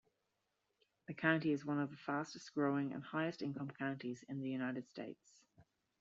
The county is one of the fastest-growing and highest-income counties in the United States.